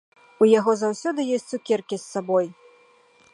У яго заўсёды ёсць цукеркі з сабой.